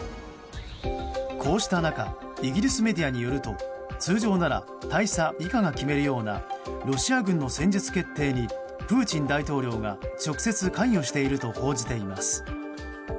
こうした中イギリスメディアによると通常なら大佐以下が決めるようなロシア軍の戦術決定にプーチン大統領が直接関与していると報じています。